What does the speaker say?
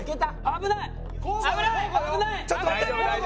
危ない！